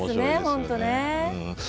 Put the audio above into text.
本当ね。